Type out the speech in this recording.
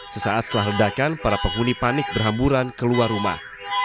sesaat setelah ledakan para penghuni panik berhamburan keluar rumah